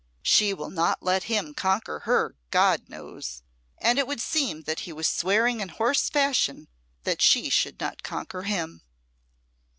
She will not let him conquer her, God knows; and it would seem that he was swearing in horse fashion that she should not conquer him."